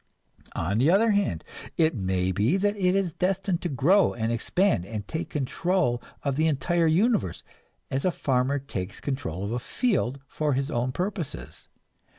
On the other hand, it may be that it is destined to grow and expand and take control of the entire universe, as a farmer takes control of a field for his own purposes.